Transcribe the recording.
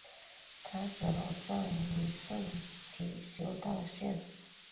她死后葬于圣体修道院。